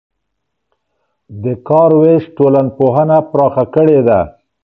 د کار وېش ټولنپوهنه پراخه کړې ده.